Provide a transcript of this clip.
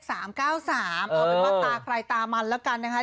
เอาเป็นว่าตาใครตามันแล้วกันนะคะ